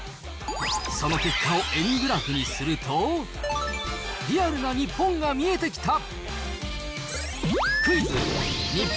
その結果を円グラフにすると、リアルな日本が見えてきた。